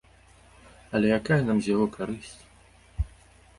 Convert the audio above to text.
Але якая нам з таго карысць?